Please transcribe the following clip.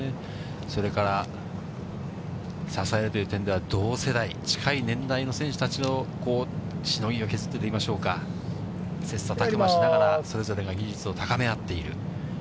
それから、支えという点では同世代、近い年代の選手たちの、しのぎを削ってと言いましょうか、切さたく磨しながらそれぞれが技術を高め合っている。